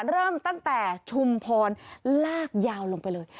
เริ่มตั้งแต่ชุมพรลากยาวลงไปเลย